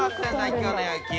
今日の野球は。